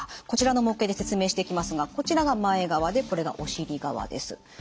こちらの模型で説明していきますがこちらが前側でこれがお尻側です。